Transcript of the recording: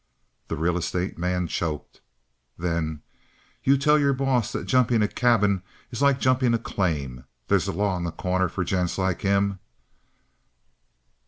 The real estate man choked. Then: "You tell your boss that jumping a cabin is like jumping a claim. They's a law in The Corner for gents like him."